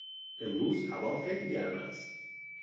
امروز هوا خیلی گرم است.